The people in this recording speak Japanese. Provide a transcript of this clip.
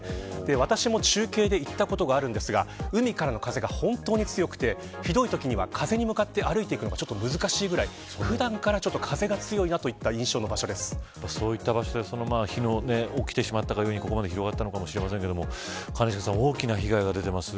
私も中継で行ったことがあるんですが海からの風が本当に強くてひどいときには、風に向かって歩いていくのが難しいくらい普段から風が強いという印象がここまで広がったのかもしれませんが大きな被害が出ています。